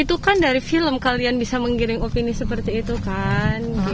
itu kan dari film kalian bisa menggiring opini seperti itu kan